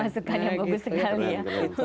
masukkan yang bagus sekali ya